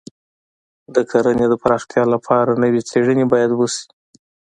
د کرنې د پراختیا لپاره نوې څېړنې باید وشي.